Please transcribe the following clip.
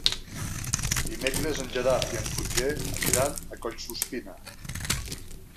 Dimecres en Gerard i en Roger aniran a Collsuspina.